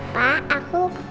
demi suara ketakutan